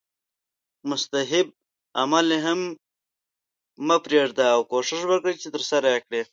مستحب عمل هم مه پریږده او کوښښ وکړه چې ترسره یې کړې